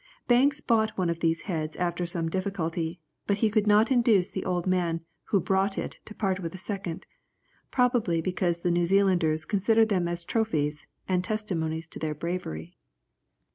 Banks bought one of these heads after some difficulty, but he could not induce the old man who brought it to part with a second, probably because the New Zealanders considered them as trophies, and testimonies to their bravery.